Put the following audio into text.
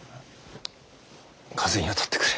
風に当たってくる。